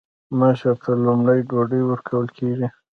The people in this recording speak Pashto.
مشر ته لومړی ډوډۍ ورکول کیږي.